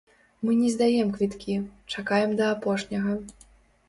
Мы не здаем квіткі, чакаем да апошняга.